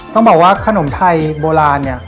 ต้องบอกว่าขนมไทยโบราณเนี่ย